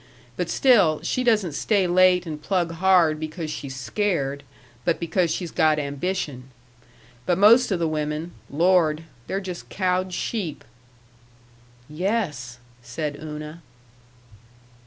But still, she doesn't stay late and plug hard because she's scared, but because she's got ambition. But most of the women Lord! they're just cowed sheep." "Yes," said Una.